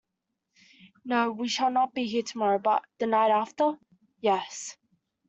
No, we shall not be here tomorrow; but the night after — yes.